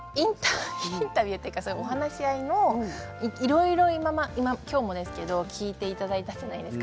インタビューというかお話がいろいろ、きょうもですけど聞いていただいたじゃないですか